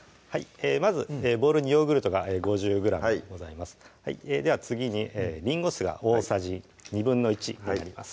まずボウルにヨーグルトが５０ｇございますでは次にりんご酢が大さじ１／２になります